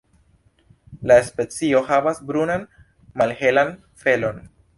La specio havas brunan malhelan felon.